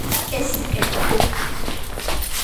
เอสสิบเอ็ดกรุ๊ป